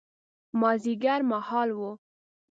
مازیګر مهال و.